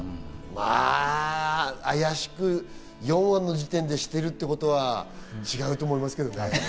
まぁ、４話の時点であやしくしているということは違うと思いますけどね。